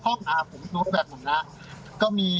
คือเขาขออยู่เป้าหมอคนนี้